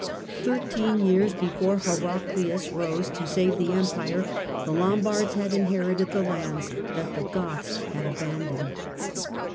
Thirteen years before Heraclius arose to save the Empire, the Lombards had inherited the lands that the Goths had abandoned.